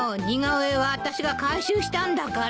似顔絵は私が回収したんだから。